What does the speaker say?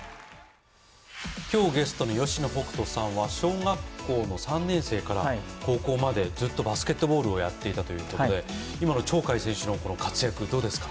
今日ゲストの吉野北人さんは小学３年生から高校までずっとバスケットボールをやっていたということで今の鳥海選手の活躍どうですか？